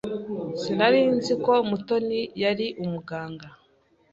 Sinari nzi ko Mutoni yari umuganga.